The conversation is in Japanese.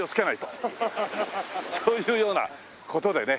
そういうような事でね